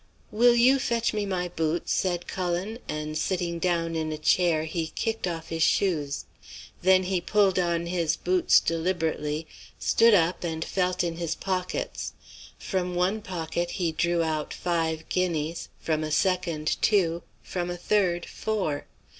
"'Will you fetch me my boots?' said Cullen, and sitting down in a chair he kicked off his shoes. Then he pulled on his boots deliberately, stood up and felt in his pockets. From one pocket he drew out five guineas, from a second two, from a third four.